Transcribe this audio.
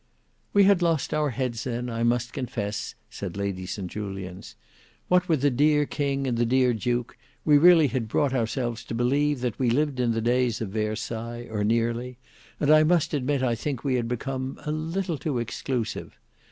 "We had lost our heads, then, I must confess," said Lady St Julians. "What with the dear King and the dear Duke, we really had brought ourselves to believe that we lived in the days of Versailles or nearly; and I must admit I think we had become a little too exclusive.